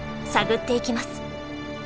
探っていきます。